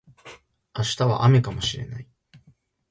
明日は雨かもしれない